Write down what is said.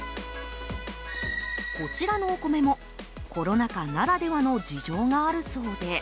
こちらのお米もコロナ禍ならではの事情があるそうで。